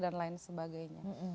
dan lain sebagainya